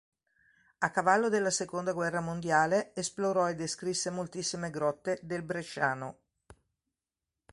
A cavallo della seconda guerra mondiale, esplorò e descrisse moltissime grotte del bresciano.